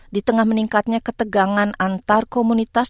di tengah meningkatnya ketegangan antar komunitas